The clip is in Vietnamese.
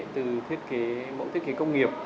từ thiết kế mẫu thiết kế công nghiệp